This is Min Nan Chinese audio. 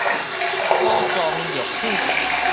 五臟六腑